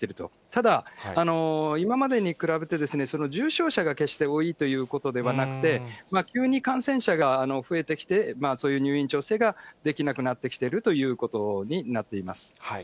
ただ、今までに比べて、重症者が決して多いということではなくて、急に感染者が増えてきて、そういう入院調整ができなくなってきているということになっています。